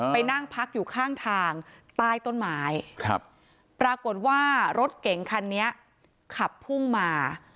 ไปนั่งพักอยู่ข้างทางใต้ต้นไม้ครับปรากฏว่ารถเก่งคันนี้ขับพุ่งมา